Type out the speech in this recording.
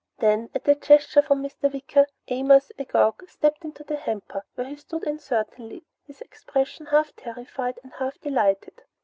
Then, at a gesture from Mr. Wicker, Amos, agog, stepped into the hamper where he stood uncertainly, his expression half terrified and half delighted.